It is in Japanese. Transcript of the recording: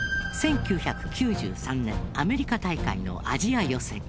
１９９３年アメリカ大会のアジア予選。